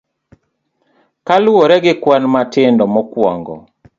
Kaluwore gi kwan matindo mokwongo.